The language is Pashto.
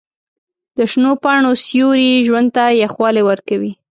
د شنو پاڼو سیوري ژوند ته یخوالی ورکوي.